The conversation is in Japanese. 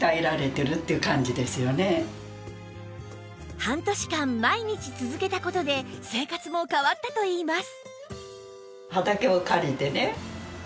半年間毎日続けた事で生活も変わったといいます